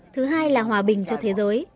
thứ hai là hòa bình cho thế giới